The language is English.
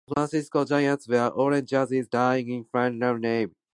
The San Francisco Giants wear orange jerseys during all Friday home games.